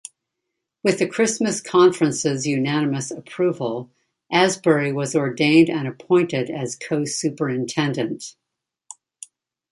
With the Christmas Conference's unanimous approval, Asbury was ordained and appointed as co-superintendent.